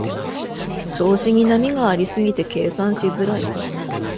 調子に波がありすぎて計算しづらい